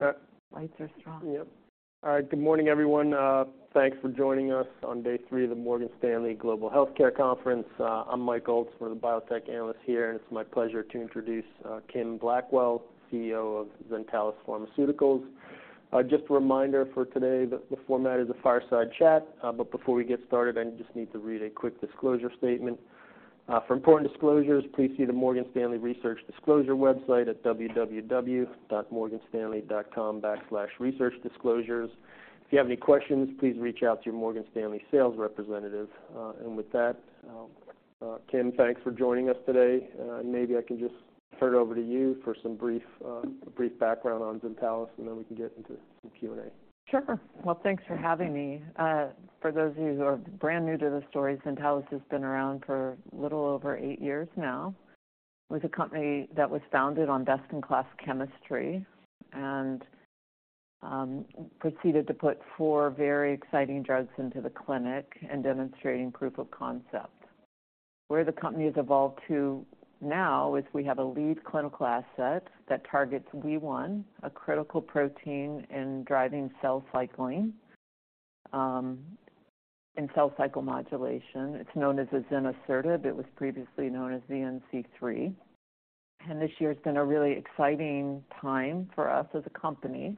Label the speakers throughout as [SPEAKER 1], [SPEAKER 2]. [SPEAKER 1] Lights are strong.
[SPEAKER 2] Yep. All right, good morning, everyone. Thanks for joining us on day 3 of the Morgan Stanley Global Healthcare Conference. I'm Mike Olszemer, the biotech analyst here, and it's my pleasure to introduce Kim Blackwell, CEO of Zentalis Pharmaceuticals. Just a reminder for today that the format is a fireside chat. But before we get started, I just need to read a quick disclosure statement. "For important disclosures, please see the Morgan Stanley Research Disclosure website at www.morganstanley.com/researchdisclosures. If you have any questions, please reach out to your Morgan Stanley sales representative." And with that, Kim, thanks for joining us today. Maybe I can just turn it over to you for a brief background on Zentalis, and then we can get into some Q&A.
[SPEAKER 1] Sure. Well, thanks for having me. For those of you who are brand new to the story, Zentalis has been around for a little over eight years now. It was a company that was founded on best-in-class chemistry and proceeded to put four very exciting drugs into the clinic and demonstrating proof of concept. Where the company has evolved to now is we have a lead clinical asset that targets WEE1, a critical protein in driving cell cycling in cell cycle modulation. It's known as azenosertib. It was previously known as ZN-c3. This year has been a really exciting time for us as a company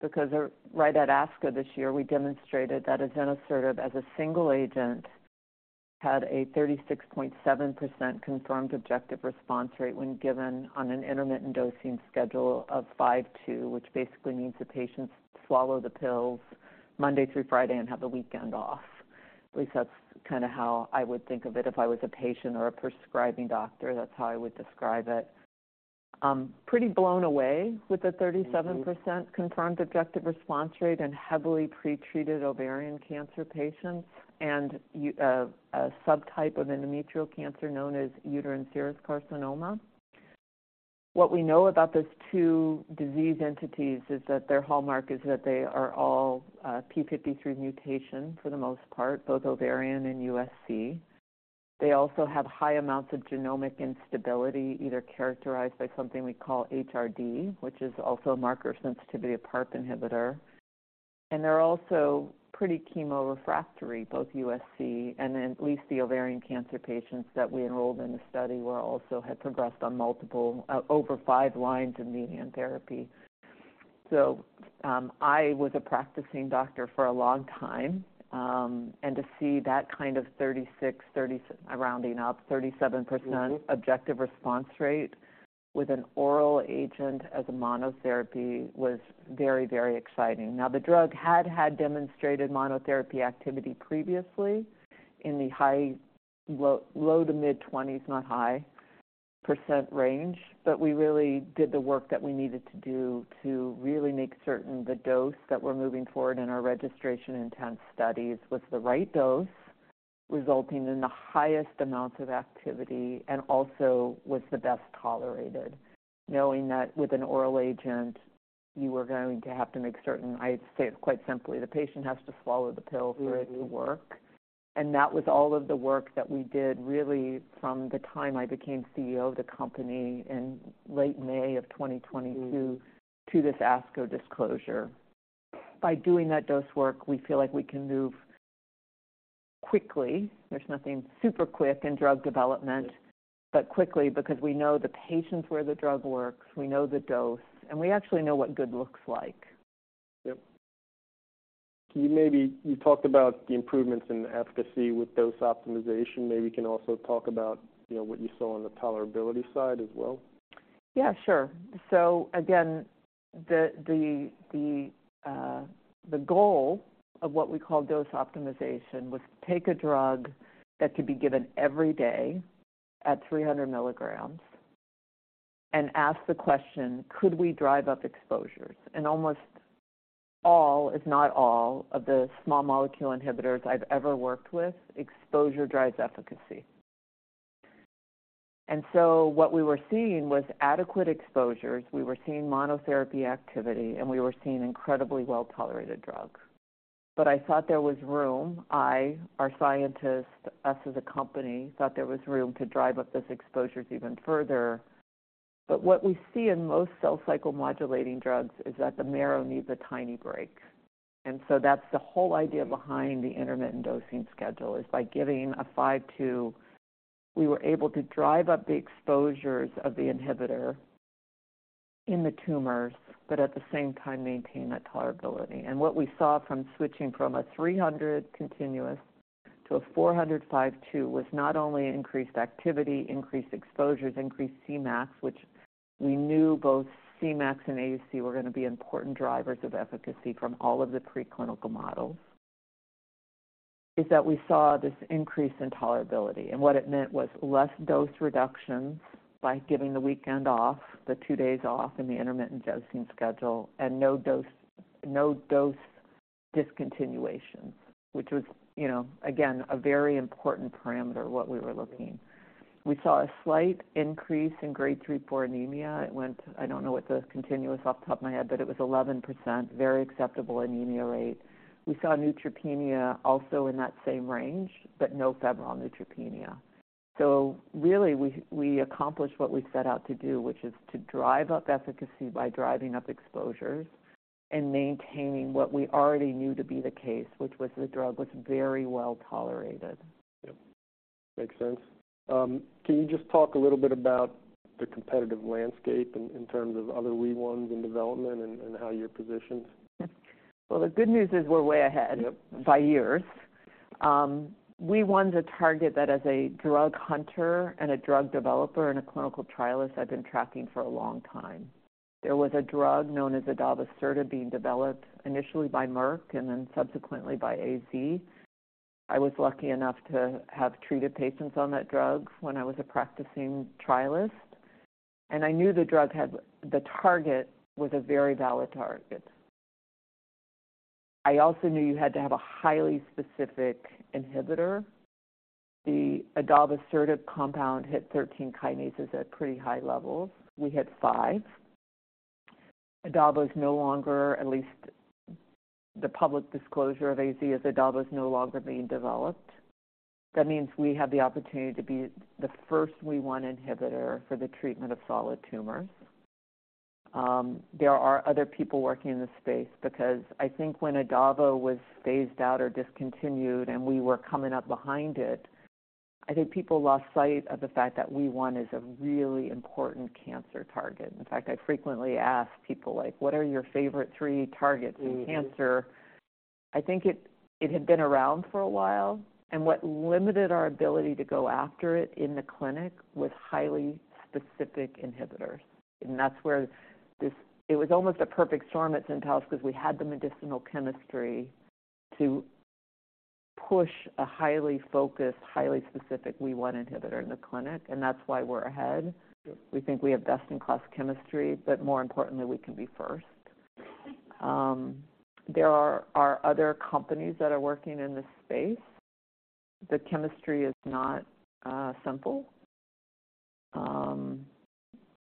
[SPEAKER 1] because, right at ASCO this year, we demonstrated that azenosertib, as a single agent, had a 36.7% confirmed objective response rate when given on an intermittent dosing schedule of 5-2, which basically means the patients swallow the pills Monday through Friday and have the weekend off. At least that's kinda how I would think of it if I was a patient or a prescribing doctor. That's how I would describe it. Pretty blown away with the 37%-
[SPEAKER 2] Mm-hmm.
[SPEAKER 1] -confirmed objective response rate in heavily pretreated ovarian cancer patients and a subtype of endometrial cancer known as uterine serous carcinoma. What we know about these two disease entities is that their hallmark is that they are all, P53 mutation for the most part, both ovarian and USC. They also have high amounts of genomic instability, either characterized by something we call HRD, which is also a marker sensitivity of PARP inhibitor, and they're also pretty chemo-refractory, both USC and then at least the ovarian cancer patients that we enrolled in the study were also, had progressed on multiple, over 5 lines of median therapy. So, I was a practicing doctor for a long time, and to see that kind of 36, rounding up, 37%.
[SPEAKER 2] Mm-hmm...
[SPEAKER 1] objective response rate with an oral agent as a monotherapy was very, very exciting. Now, the drug had had demonstrated monotherapy activity previously in the high, low, low to mid-20s, not high, % range. But we really did the work that we needed to do to really make certain the dose that we're moving forward in our registration intent studies was the right dose, resulting in the highest amount of activity, and also was the best tolerated. Knowing that with an oral agent, you are going to have to make certain... I'd say it quite simply, the patient has to swallow the pill-
[SPEAKER 2] Mm-hmm.
[SPEAKER 1] -for it to work. And that was all of the work that we did, really, from the time I became CEO of the company in late May of 2022-
[SPEAKER 2] Mm...
[SPEAKER 1] to this ASCO disclosure. By doing that dose work, we feel like we can move quickly. There's nothing super quick in drug development-
[SPEAKER 2] Yep...
[SPEAKER 1] but quickly because we know the patients where the drug works, we know the dose, and we actually know what good looks like.
[SPEAKER 2] Yep. Can you maybe, you talked about the improvements in efficacy with dose optimization. Maybe you can also talk about, you know, what you saw on the tolerability side as well.
[SPEAKER 1] Yeah, sure. So again, the goal of what we call dose optimization was to take a drug that could be given every day at 300 milligrams and ask the question: Could we drive up exposures? And almost all, if not all, of the small molecule inhibitors I've ever worked with, exposure drives efficacy. And so what we were seeing was adequate exposures, we were seeing monotherapy activity, and we were seeing incredibly well-tolerated drugs. But I thought there was room, our scientists, us as a company, thought there was room to drive up those exposures even further. But what we see in most cell cycle modulating drugs is that the marrow needs a tiny break. And so that's the whole idea behind the intermittent dosing schedule, is by giving a 5-2, we were able to drive up the exposures of the inhibitor in the tumors, but at the same time, maintain that tolerability. And what we saw from switching from a 300 continuous to a 400 5-2, was not only increased activity, increased exposures, increased Cmax, which we knew both Cmax and AUC were gonna be important drivers of efficacy from all of the preclinical models, is that we saw this increase in tolerability. And what it meant was less dose reductions by giving the weekend off, the two days off in the intermittent dosing schedule, and no dose, no dose discontinuations, which was, you know, again, a very important parameter of what we were looking. We saw a slight increase in Grade 3 for anemia. It went, I don't know what the continuous off the top of my head, but it was 11%, very acceptable anemia rate. We saw neutropenia also in that same range, but no febrile neutropenia. So really, we accomplished what we set out to do, which is to drive up efficacy by driving up exposures and maintaining what we already knew to be the case, which was the drug was very well tolerated.
[SPEAKER 2] Yep, makes sense. Can you just talk a little bit about the competitive landscape in terms of other WEE1s in development and how you're positioned?
[SPEAKER 1] Well, the good news is we're way ahead-
[SPEAKER 2] Yep
[SPEAKER 1] - by years. We wanted a target that, as a drug hunter and a drug developer and a clinical trialist, I've been tracking for a long time. There was a drug known as adavosertib being developed initially by Merck and then subsequently by AZ. I was lucky enough to have treated patients on that drug when I was a practicing trialist, and I knew the drug had, the target was a very valid target. I also knew you had to have a highly specific inhibitor. The adavosertib compound hit 13 kinases at pretty high levels. We hit 5. Adavosertib is no longer, at least the public disclosure of AZ, as adavosertib is no longer being developed. That means we have the opportunity to be the first WEE1 inhibitor for the treatment of solid tumors. There are other people working in this space because I think when adavosertib was phased out or discontinued and we were coming up behind it, I think people lost sight of the fact that WEE1 is a really important cancer target. In fact, I frequently ask people, like, "What are your favorite three targets in cancer?" I think it had been around for a while, and what limited our ability to go after it in the clinic was highly specific inhibitors. And that's where this, it was almost a perfect storm at Zentalis because we had the medicinal chemistry to push a highly focused, highly specific WEE1 inhibitor in the clinic, and that's why we're ahead.
[SPEAKER 2] Yep.
[SPEAKER 1] We think we have best-in-class chemistry, but more importantly, we can be first. There are other companies that are working in this space. The chemistry is not simple.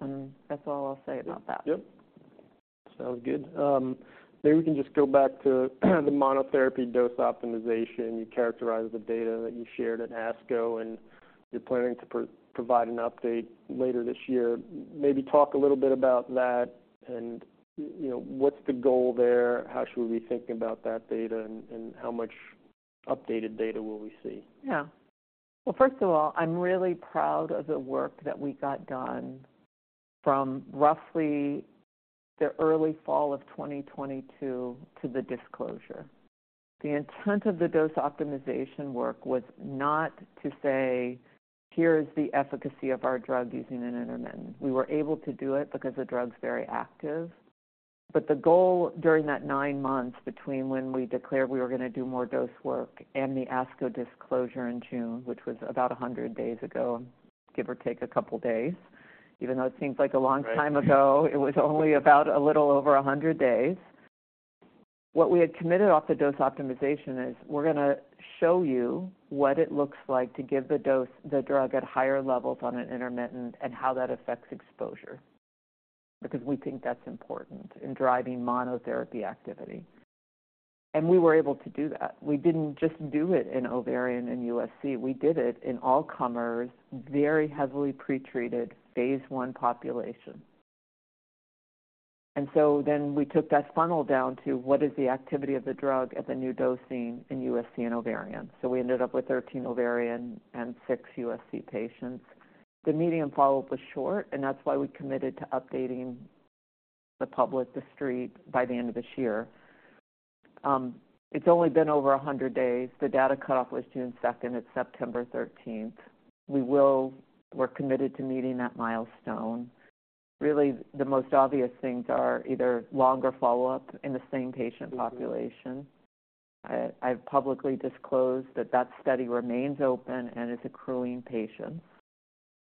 [SPEAKER 1] And that's all I'll say about that.
[SPEAKER 2] Yep. Sounds good. Maybe we can just go back to the monotherapy dose optimization. You characterized the data that you shared at ASCO, and you're planning to provide an update later this year. Maybe talk a little bit about that and, you know, what's the goal there? How should we be thinking about that data, and how much updated data will we see?
[SPEAKER 1] Yeah. Well, first of all, I'm really proud of the work that we got done from roughly the early fall of 2022 to the disclosure. The intent of the dose optimization work was not to say, "Here's the efficacy of our drug using an intermittent." We were able to do it because the drug's very active. But the goal during that 9 months between when we declared we were gonna do more dose work and the ASCO disclosure in June, which was about 100 days ago, give or take a couple of days, even though it seems like a long time ago-
[SPEAKER 2] Right...
[SPEAKER 1] it was only about a little over 100 days. What we had committed off the dose optimization is, we're gonna show you what it looks like to give the dose, the drug at higher levels on an intermittent and how that affects exposure, because we think that's important in driving monotherapy activity. And we were able to do that. We didn't just do it in ovarian and USC. We did it in all comers, very heavily pretreated, phase I population. And so then we took that funnel down to what is the activity of the drug at the new dosing in USC and ovarian. So we ended up with 13 ovarian and six USC patients. The median follow-up was short, and that's why we committed to updating the public, the street, by the end of this year. It's only been over 100 days. The data cutoff was June second. It's September thirteenth. We will... We're committed to meeting that milestone. Really, the most obvious things are either longer follow-up in the same patient population. I've publicly disclosed that that study remains open and is accruing patients,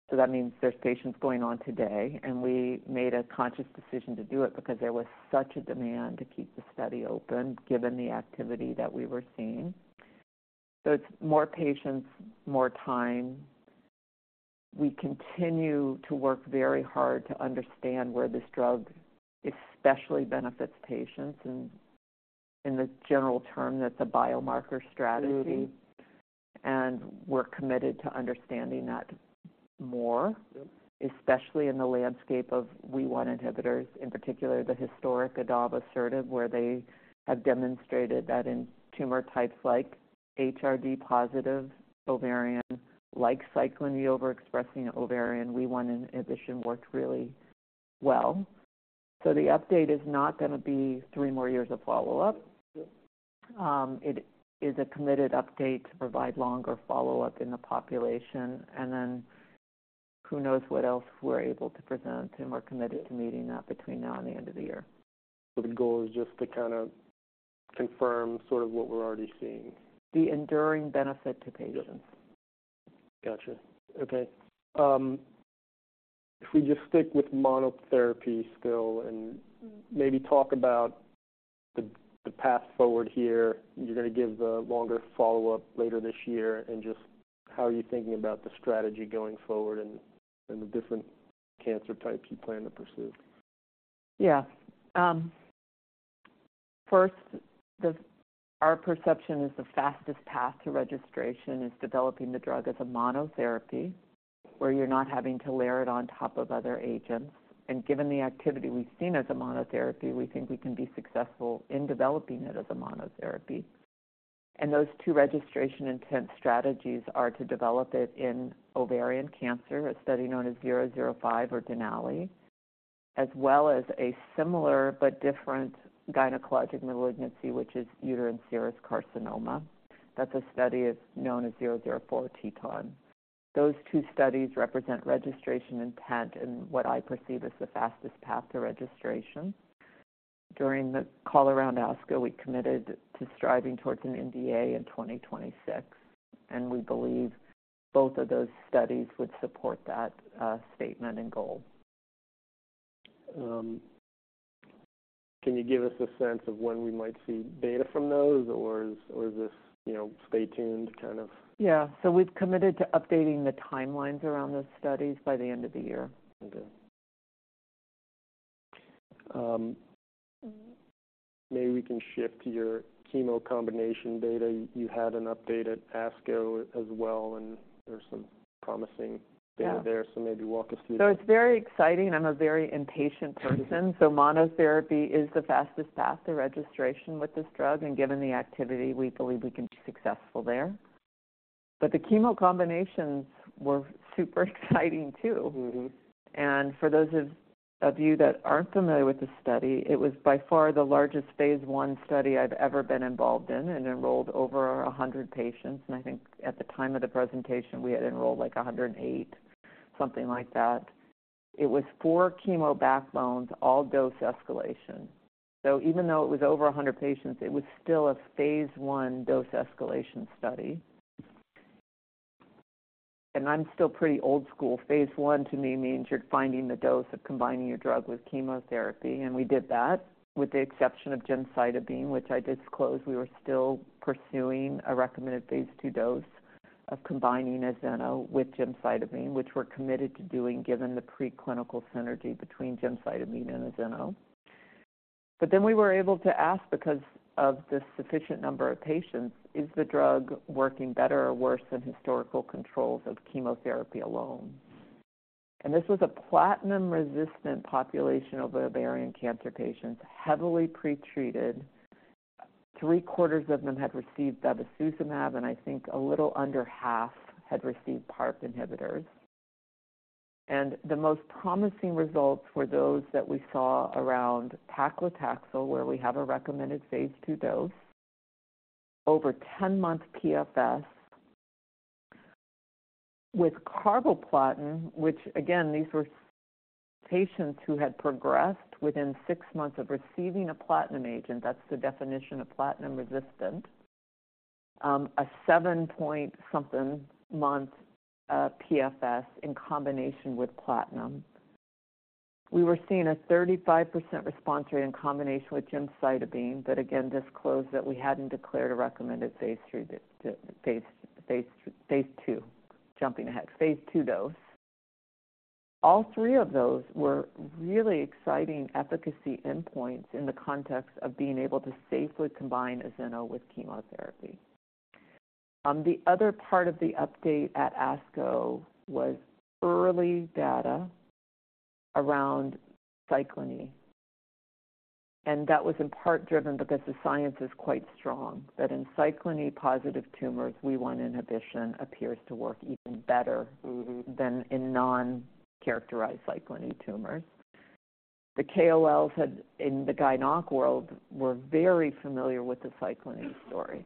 [SPEAKER 1] so that means there's patients going on today, and we made a conscious decision to do it because there was such a demand to keep the study open, given the activity that we were seeing. So it's more patients, more time. We continue to work very hard to understand where this drug especially benefits patients, and in the general term, that's a biomarker strategy.
[SPEAKER 2] Mm-hmm.
[SPEAKER 1] And we're committed to understanding that more-
[SPEAKER 2] Yep...
[SPEAKER 1] especially in the landscape of WEE1 inhibitors, in particular, the historic adavosertib, where they have demonstrated that in tumor types like HRD-positive ovarian, like Cyclin E overexpressing ovarian, WEE1 inhibition worked really well. So the update is not gonna be three more years of follow-up.
[SPEAKER 2] Yep.
[SPEAKER 1] It is a committed update to provide longer follow-up in the population, and then who knows what else we're able to present, and we're committed-
[SPEAKER 2] Yep...
[SPEAKER 1] to meeting that between now and the end of the year.
[SPEAKER 2] The goal is just to kind of confirm sort of what we're already seeing?
[SPEAKER 1] The enduring benefit to patients.
[SPEAKER 2] Gotcha. Okay. If we just stick with monotherapy still and maybe talk about the path forward here. You're gonna give the longer follow-up later this year, and just how are you thinking about the strategy going forward and the different cancer types you plan to pursue?
[SPEAKER 1] Yeah, First, our perception is the fastest path to registration is developing the drug as a monotherapy, where you're not having to layer it on top of other agents. And given the activity we've seen as a monotherapy, we think we can be successful in developing it as a monotherapy. And those two registration intent strategies are to develop it in ovarian cancer, a study known as 005 or DENALI, as well as a similar but different gynecologic malignancy, which is Uterine Serous Carcinoma. That's a study known as 004 TETON. Those two studies represent registration intent and what I perceive as the fastest path to registration. During the call around ASCO, we committed to striving towards an NDA in 2026, and we believe both of those studies would support that, statement and goal.
[SPEAKER 2] Can you give us a sense of when we might see data from those, or is, or is this, you know, stay tuned, kind of?
[SPEAKER 1] Yeah. So we've committed to updating the timelines around those studies by the end of the year.
[SPEAKER 2] Okay. Maybe we can shift to your chemo combination data. You had an update at ASCO as well, and there's some promising-
[SPEAKER 1] Yeah.
[SPEAKER 2] Data there, so maybe walk us through.
[SPEAKER 1] So it's very exciting, and I'm a very impatient person.
[SPEAKER 2] Mm-hmm.
[SPEAKER 1] So monotherapy is the fastest path to registration with this drug, and given the activity, we believe we can be successful there. But the chemo combinations were super exciting, too.
[SPEAKER 2] Mm-hmm.
[SPEAKER 1] And for those of you that aren't familiar with this study, it was by far the largest phase I study I've ever been involved in and enrolled over 100 patients, and I think at the time of the presentation, we had enrolled, like, 108, something like that. It was 4 chemo backbones, all dose escalation. So even though it was over 100 patients, it was still a phase I dose escalation study. And I'm still pretty old school. phase I, to me, means you're finding the dose of combining a drug with chemotherapy, and we did that with the exception of gemcitabine, which I disclosed we were still pursuing a recommended phase II dose of combining azeno with gemcitabine, which we're committed to doing given the preclinical synergy between gemcitabine and azeno. But then we were able to ask because of the sufficient number of patients, is the drug working better or worse than historical controls of chemotherapy alone? This was a platinum-resistant population of ovarian cancer patients, heavily pretreated. Three-quarters of them had received bevacizumab, and I think a little under half had received PARP inhibitors. The most promising results were those that we saw around paclitaxel, where we have a recommended phase II dose, over 10-month PFS. With carboplatin, which, again, these were patients who had progressed within six months of receiving a platinum agent, that's the definition of platinum-resistant, a 7-point-something-month PFS in combination with platinum. We were seeing a 35% response rate in combination with gemcitabine, but again, disclosed that we hadn't declared a recommended phase III, phase II, jumping ahead, phase II dose. All three of those were really exciting efficacy endpoints in the context of being able to safely combine azeno with chemotherapy. The other part of the update at ASCO was early data around cyclin E, and that was in part driven because the science is quite strong, that in cyclin E-positive tumors, WEE1 inhibition appears to work even better-
[SPEAKER 2] Mm-hmm.
[SPEAKER 1] -than in non-characterized Cyclin E tumors. The KOLs had, in the GYN onc world, were very familiar with the Cyclin E story.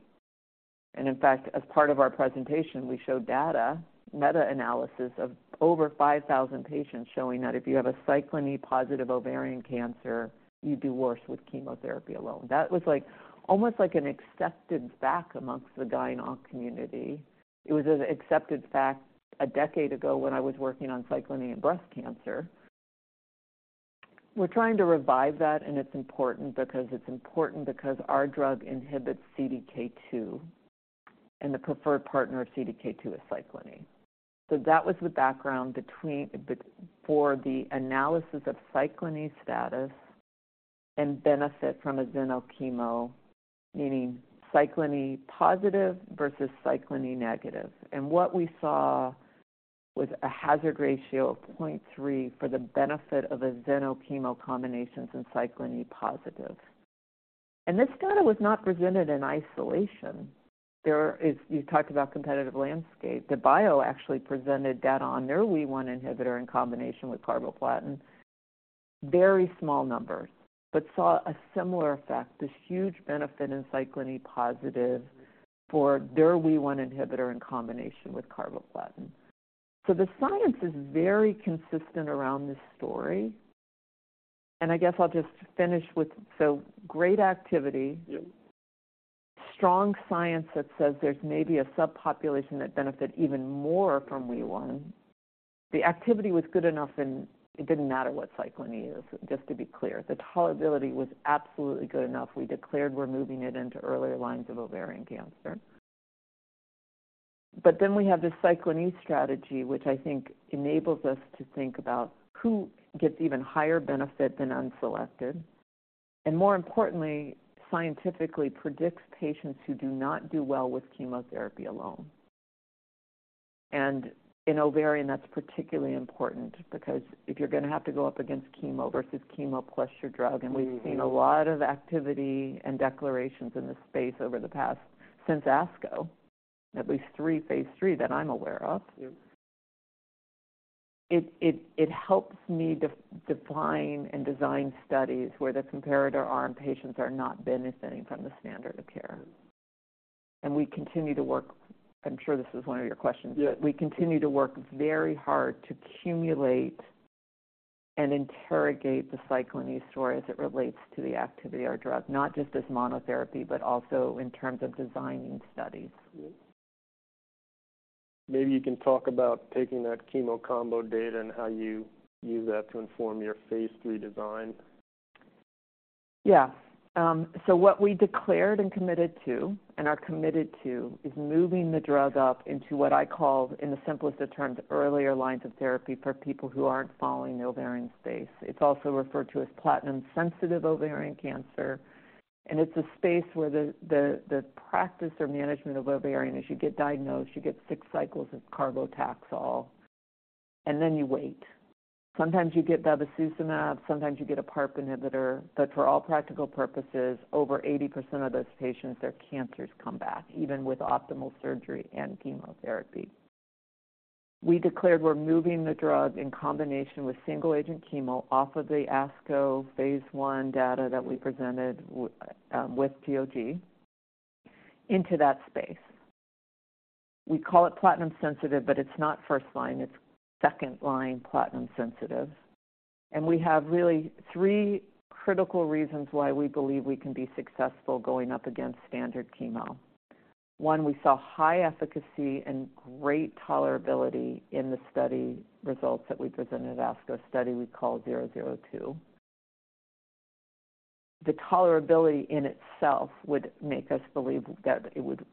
[SPEAKER 1] And in fact, as part of our presentation, we showed data, meta-analysis of over 5,000 patients, showing that if you have a Cyclin E-positive ovarian cancer, you do worse with chemotherapy alone. That was like, almost like an accepted fact amongst the GYN onc community. It was an accepted fact a decade ago when I was working on Cyclin E and breast cancer. We're trying to revive that, and it's important because, it's important because our drug inhibits CDK2, and the preferred partner of CDK2 is Cyclin E. So that was the background between... B- for the analysis of Cyclin E status and benefit from azeno chemo, meaning Cyclin E positive versus Cyclin E negative. What we saw was a hazard ratio of 0.3 for the benefit of azeno chemo combinations in Cyclin E positive. This data was not presented in isolation. There is. You talked about competitive landscape. Debio actually presented data on their WEE1 inhibitor in combination with carboplatin. Very small numbers, but saw a similar effect, this huge benefit in Cyclin E positive for their WEE1 inhibitor in combination with carboplatin. The science is very consistent around this story, and I guess I'll just finish with, so great activity.
[SPEAKER 2] Yep.
[SPEAKER 1] Strong science that says there's maybe a subpopulation that benefit even more from WEE1. The activity was good enough, and it didn't matter what cyclin E is, just to be clear. The tolerability was absolutely good enough. We declared we're moving it into earlier lines of ovarian cancer... But then we have this cyclin E strategy, which I think enables us to think about who gets even higher benefit than unselected, and more importantly, scientifically predicts patients who do not do well with chemotherapy alone. And in ovarian, that's particularly important because if you're gonna have to go up against chemo versus chemo plus your drug-
[SPEAKER 2] Mm-hmm.
[SPEAKER 1] We've seen a lot of activity and declarations in this space over the past, since ASCO, at least 3 phase 3 that I'm aware of.
[SPEAKER 2] Yep.
[SPEAKER 1] It helps me define and design studies where the comparator arm patients are not benefiting from the standard of care. And we continue to work... I'm sure this is one of your questions.
[SPEAKER 2] Yeah.
[SPEAKER 1] We continue to work very hard to accumulate and interrogate the cyclin E story as it relates to the activity or drug, not just as monotherapy, but also in terms of designing studies.
[SPEAKER 2] Yep. Maybe you can talk about taking that chemo combo data and how you use that to inform your phase III design.
[SPEAKER 1] Yeah. So what we declared and committed to, and are committed to, is moving the drug up into what I call, in the simplest of terms, earlier lines of therapy for people who aren't following the ovarian space. It's also referred to as platinum-sensitive ovarian cancer, and it's a space where the practice or management of ovarian, as you get diagnosed, you get 6 cycles of carboplatin, and then you wait. Sometimes you get bevacizumab, sometimes you get a PARP inhibitor. But for all practical purposes, over 80% of those patients, their cancers come back, even with optimal surgery and chemotherapy. We declared we're moving the drug in combination with single-agent chemo off of the ASCO phase I data that we presented with GOG, into that space. We call it platinum-sensitive, but it's not first line. It's second line platinum-sensitive. We have really three critical reasons why we believe we can be successful going up against standard chemo. One, we saw high efficacy and great tolerability in the study results that we presented at ASCO study we call 002. The tolerability in itself would make us believe that it would,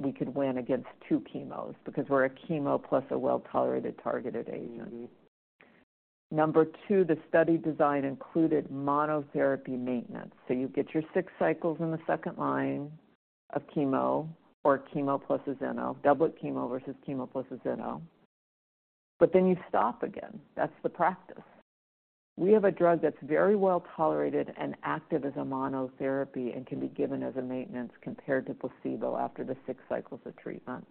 [SPEAKER 1] we could win against two chemos, because we're a chemo plus a well-tolerated targeted agent.
[SPEAKER 2] Mm-hmm.
[SPEAKER 1] Number two, the study design included monotherapy maintenance. So you get your 6 cycles in the second line of chemo, or chemo plus Azeno, doublet chemo versus chemo plus Azeno. But then you stop again. That's the practice. We have a drug that's very well-tolerated and active as a monotherapy and can be given as a maintenance compared to placebo after the 6 cycles of treatment.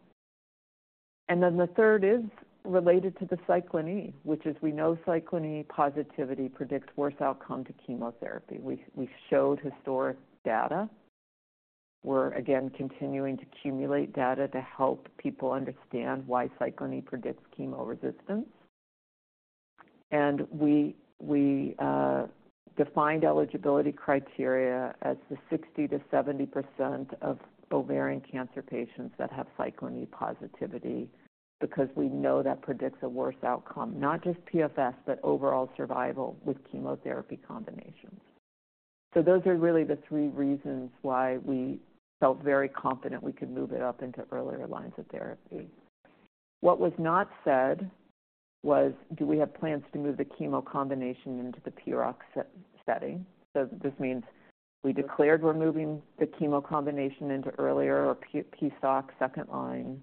[SPEAKER 1] And then the third is related to the cyclin E, which is, we know cyclin E positivity predicts worse outcome to chemotherapy. We showed historic data. We're, again, continuing to accumulate data to help people understand why cyclin E predicts chemo resistance. And we defined eligibility criteria as the 60%-70% of ovarian cancer patients that have cyclin E positivity, because we know that predicts a worse outcome, not just PFS, but overall survival with chemotherapy combinations. Those are really the three reasons why we felt very confident we could move it up into earlier lines of therapy. What was not said was, do we have plans to move the chemo combination into the PROC setting? This means we declared we're moving the chemo combination into earlier or PSOC second line.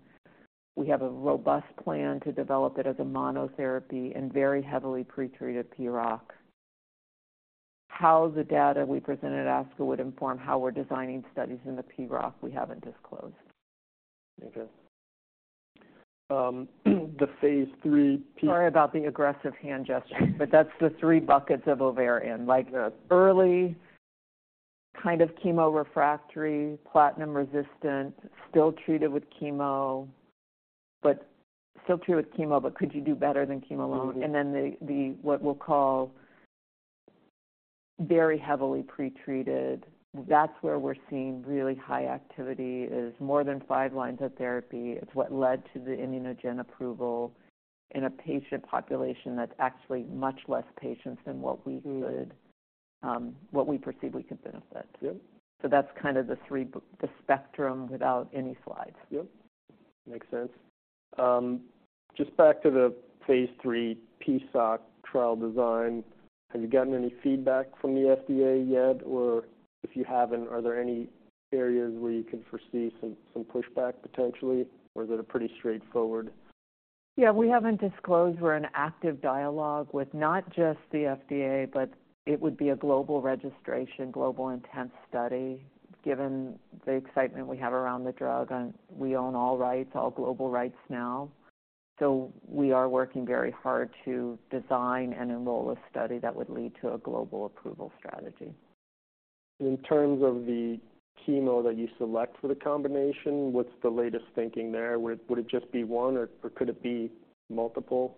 [SPEAKER 1] We have a robust plan to develop it as a monotherapy in very heavily pretreated PROC. How the data we presented at ASCO would inform how we're designing studies in the PROC, we haven't disclosed.
[SPEAKER 2] Okay. The phase III P-
[SPEAKER 1] Sorry about the aggressive hand gestures, but that's the three buckets of ovarian.
[SPEAKER 2] Yeah.
[SPEAKER 1] Like, the early kind of chemo-refractory, platinum resistant, still treated with chemo, but still treated with chemo, but could you do better than chemo alone?
[SPEAKER 2] Mm-hmm.
[SPEAKER 1] Then, what we'll call very heavily pretreated, that's where we're seeing really high activity, is more than five lines of therapy. It's what led to the ImmunoGen approval in a patient population that's actually much less patients than what we would-
[SPEAKER 2] Mm-hmm...
[SPEAKER 1] what we perceive we could benefit.
[SPEAKER 2] Yep.
[SPEAKER 1] So that's kind of the three, the spectrum without any slides.
[SPEAKER 2] Yep, makes sense. Just back to the phase 3 PSOC trial design, have you gotten any feedback from the FDA yet? Or if you haven't, are there any areas where you can foresee some pushback potentially, or is it a pretty straightforward?
[SPEAKER 1] Yeah, we haven't disclosed we're in active dialogue with not just the FDA, but it would be a global registration, global intense study, given the excitement we have around the drug. And we own all rights, all global rights now. So we are working very hard to design and enroll a study that would lead to a global approval strategy.
[SPEAKER 2] In terms of the chemo that you select for the combination, what's the latest thinking there? Would it just be one, or could it be multiple?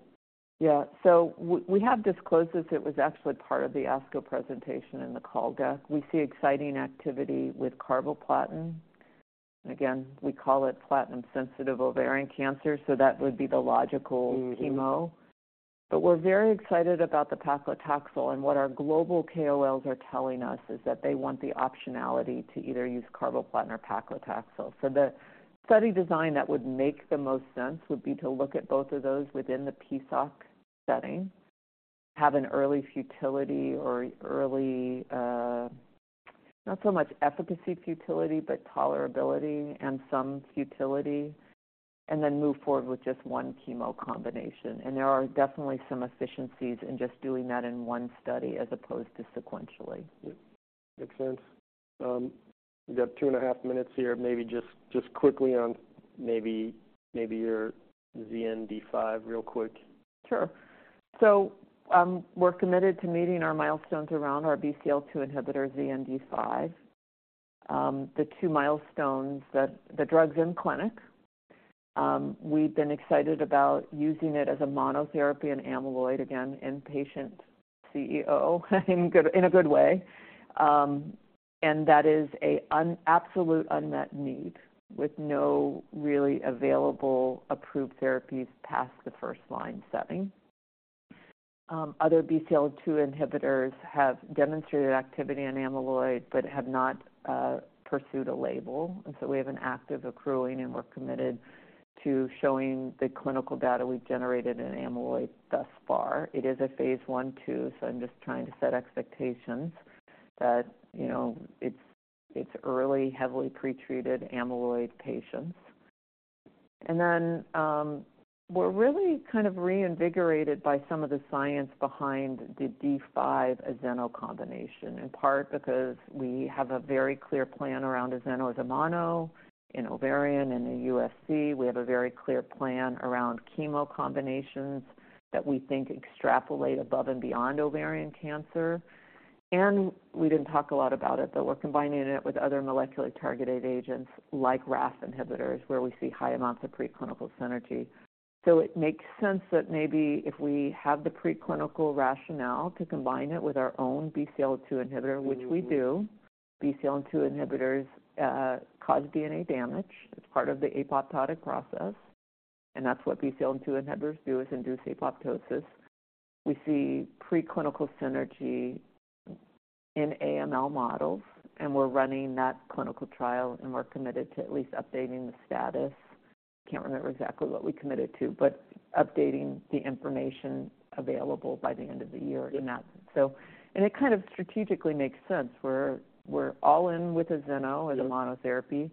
[SPEAKER 1] Yeah. So we have disclosed this. It was actually part of the ASCO presentation and the call deck. We see exciting activity with carboplatin. Again, we call it platinum-sensitive ovarian cancer, so that would be the logical-
[SPEAKER 2] Mm-hmm
[SPEAKER 1] But we're very excited about the paclitaxel, and what our global KOLs are telling us is that they want the optionality to either use carboplatin or paclitaxel. So the study design that would make the most sense would be to look at both of those within the PSOC setting, have an early futility or early, not so much efficacy futility, but tolerability and some futility, and then move forward with just one chemo combination. And there are definitely some efficiencies in just doing that in one study as opposed to sequentially.
[SPEAKER 2] Yep, makes sense. We've got two and a half minutes here. Maybe just quickly on maybe your ZN-d5 real quick.
[SPEAKER 1] Sure. So, we're committed to meeting our milestones around our BCL-2 inhibitor, ZN-d5. The two milestones, the, the drug's in clinic. We've been excited about using it as a monotherapy in AML, again, in patients, you know, in a good way. And that is an absolute unmet need, with no really available approved therapies past the first-line setting. Other BCL-2 inhibitors have demonstrated activity in AML but have not pursued a label. And so we have an actively accruing, and we're committed to showing the clinical data we've generated in AML thus far. It is a Phase 1/2, so I'm just trying to set expectations that, you know, it's, it's early, heavily pre-treated AML patients. And then, we're really kind of reinvigorated by some of the science behind the ZN-d5 azeno combination, in part because we have a very clear plan around azeno as a mono in ovarian and in USC. We have a very clear plan around chemo combinations that we think extrapolate above and beyond ovarian cancer. And we didn't talk a lot about it, but we're combining it with other molecular targeted agents like RAF inhibitors, where we see high amounts of preclinical synergy. So it makes sense that maybe if we have the preclinical rationale to combine it with our own BCL-2 inhibitor, which we do. BCL-2 inhibitors cause DNA damage. It's part of the apoptotic process, and that's what BCL-2 inhibitors do, is induce apoptosis. We see preclinical synergy in AML models, and we're running that clinical trial, and we're committed to at least updating the status. I can't remember exactly what we committed to, but updating the information available by the end of the year in that. So... It kind of strategically makes sense. We're all in with azeno as a monotherapy.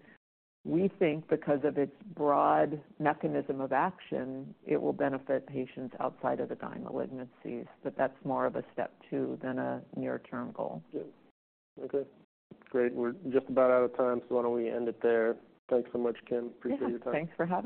[SPEAKER 1] We think because of its broad mechanism of action, it will benefit patients outside of the gyn malignancies, but that's more of a step two than a near-term goal.
[SPEAKER 2] Yeah. Okay, great. We're just about out of time, so why don't we end it there? Thanks so much, Kim. Appreciate your time.
[SPEAKER 1] Yeah, thanks for having me.